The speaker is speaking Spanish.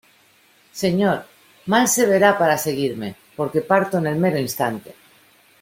señor, mal se verá para seguirme , porque parto en el mero instante.